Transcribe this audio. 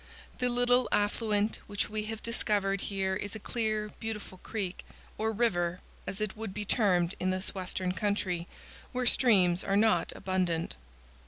The little affluent which we have discovered here is a clear, beautiful creek, or river, as it would be termed in this western country, where streams are not abundant.